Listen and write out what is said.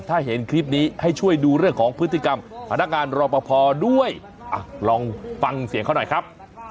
ถ้าเห็นคลิปนี้ให้ช่วยดูเรื่องของพฤติกรรมพนักงานรอปภด้วยลองฟังเสียงเขาหน่อยครับ